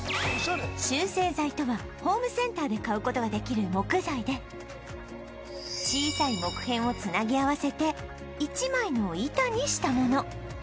集成材とはホームセンターで買う事ができる木材で小さい木片を繋ぎ合わせて１枚の板にしたもの